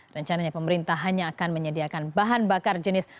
rencananya pemerintah hanya akan menyediakan bahan bakar jenis